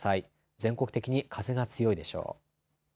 全国的に風が強いでしょう。